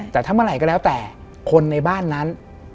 แต่ถ้าเมื่อไหร่ก็แล้วแต่คนในบ้านนั้น